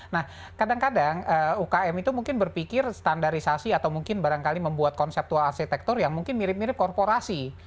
nah kadang kadang ukm itu mungkin berpikir standarisasi atau mungkin barangkali membuat konseptual arsitektur yang mungkin mirip mirip korporasi